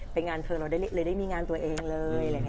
ไปงานเทิงเราเลยได้มีงานตัวเองเลย